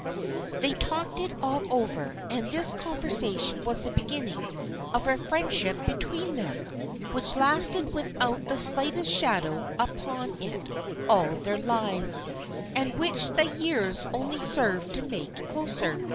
They talked it all over, and this conversation was the beginning of a friendship between them which lasted without the slightest shadow upon it all their lives, and which the years only served to make closer.